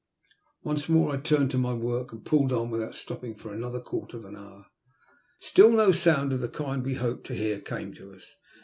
Once more I turned to my work, and pulled on without stopping for another quarter of an hour. Btill no sound of the kind we hoped to hear came to us.